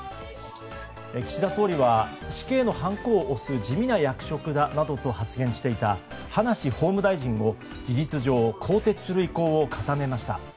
岸田総理は、死刑のはんこを押す地味な役職だなどと発言していた、葉梨法務大臣を事実上、更迭する意向を固めました。